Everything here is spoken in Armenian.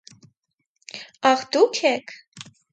- Ա՜խ, դո՞ւք եք: